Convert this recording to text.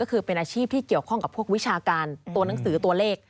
ก็คือเป็นอาชีพที่เกี่ยวข้องกับพวกวิชาการตัวหนังสือตัวเลข